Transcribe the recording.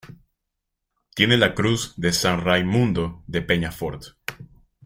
Tiene la Cruz de San Raimundo de Peñafort.